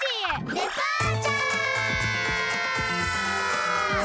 デパーチャー！